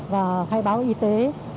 và khai báo y tế